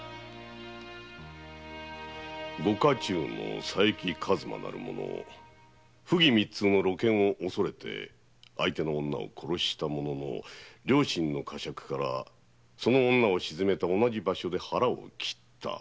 ご家中の佐伯一馬なる者不義密通の露見を恐れて相手の女を殺したものの良心の呵責からその女を沈めた同じ場所で腹を切った。